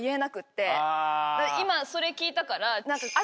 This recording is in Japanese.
今それ聞いたから。